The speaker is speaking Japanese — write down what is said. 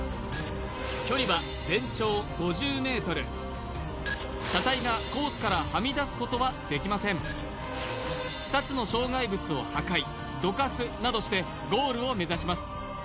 距離は全長５０ｍ車体がコースからはみ出すことはできません２つの障害物を破壊どかすなどしてゴールを目指します